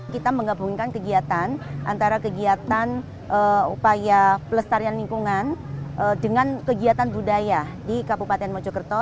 kita menggabungkan kegiatan antara kegiatan upaya pelestarian lingkungan dengan kegiatan budaya di kabupaten mojokerto